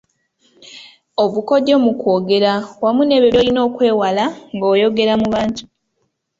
Obukodyo mu kwogera wamu n’ebyo by’olina okwewala ng’oyogera mu bantu.